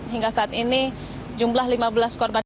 hingga saat ini jumlah lima belas korban